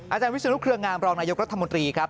อาจารย์วิศนุเครืองามรองนายกรัฐมนตรีครับ